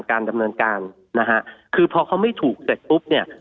การดำเนินการนะฮะคือพอเขาไม่ถูกเสร็จปุ๊บเนี่ย